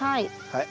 はい。